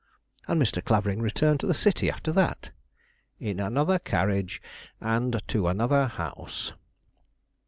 "And Mr. Clavering returned to the city after that?" "In another carriage, and to another house."